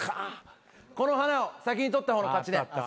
この花を先に取った方の勝ちね。